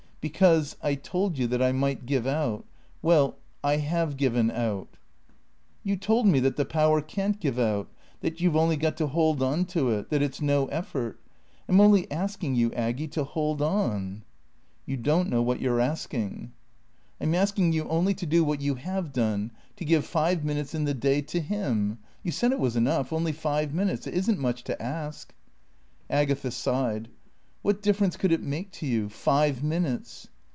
"Because I told you that I might give out. Well I have given out." "You told me that the Power can't give out that you've only got to hold on to it that it's no effort. I'm only asking you, Aggy, to hold on." "You don't know what you're asking." "I'm asking you only to do what you have done, to give five minutes in the day to him. You said it was enough. Only five minutes. It isn't much to ask." Agatha sighed. "What difference could it make to you five minutes?"